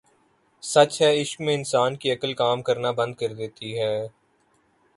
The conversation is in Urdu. سچ ہے عشق میں انسان کی عقل کام کرنا بند کر دیتی ہے